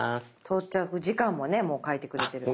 到着時間もね書いてくれてる。